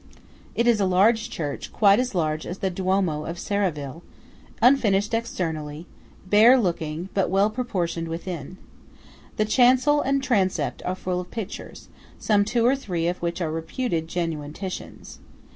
It is a large church, quite as large as the Duomo of Serravalle, unfinished externally; bare looking, but well proportioned within. The chancel and transept are full of pictures, some two or three of which are reputed genuine Titians.